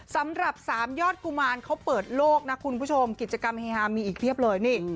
สำหรับสามยอดกุมารเขาเปิดโลกนะคุณผู้ชมกิจกรรมเฮฮามีอีกเพียบเลยนี่